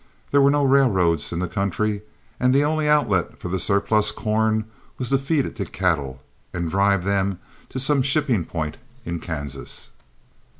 There were no railroads in the country and the only outlet for the surplus corn was to feed it to cattle and drive them to some shipping point in Kansas.